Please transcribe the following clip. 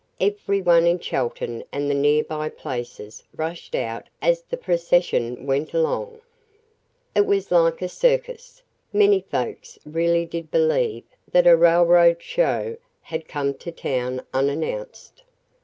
Every one in Chelton and the near by places rushed out as the procession went along. It was like a circus many folks really did believe that a "railroad show" had come to town unannounced.